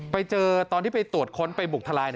ไปเจอตอนที่ไปตรวจค้นไปบุกทลาย